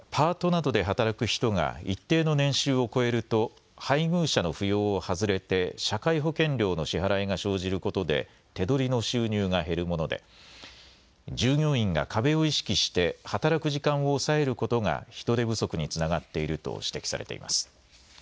年収の壁はパートなどで働く人が一定の年収を超えると配偶者の扶養を外れて社会保険料の支払いが生じることで手取りの収入が減るもので従業員が壁を意識して働く時間を抑えることが人手不足につながっていると指摘されています。